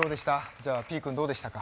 じゃあピー君どうでしたか。